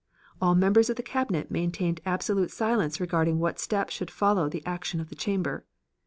All members of the Cabinet maintained absolute silence regarding what step should follow the action of the chamber.